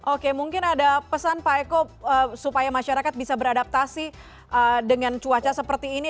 oke mungkin ada pesan pak eko supaya masyarakat bisa beradaptasi dengan cuaca seperti ini